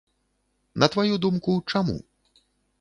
На тваю думку, чаму?